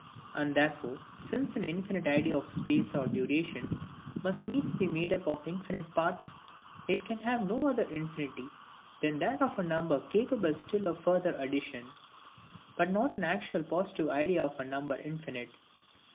And therefore, since an infinite idea of space or duration must needs be made up of infinite parts, it can have no other infinity than that of number CAPABLE still of further addition; but not an actual positive idea of a number infinite.